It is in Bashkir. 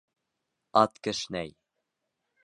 Ат кешнәй.